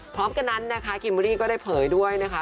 พร้อมกันนั้นคลิมมอรี่ก็ได้เผยด้วยนะคะ